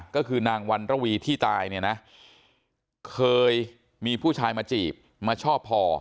ก็คือนางวันระวีที่ตายเนี่ยนะเคยมีผู้ชายมาจีบมาชอบพอ